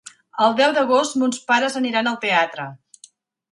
El deu d'agost mons pares aniran al teatre.